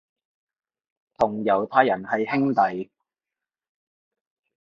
同猶太人係兄弟